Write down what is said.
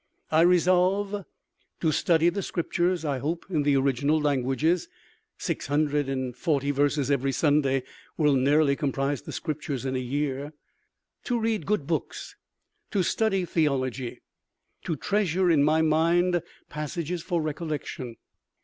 I resolve, To study the Scriptures; I hope, in the original languages. Six hundred and forty verses every Sunday will nearly comprise the Scriptures in a year. To read good books; to study theology. To treasure in my mind passages for recollection.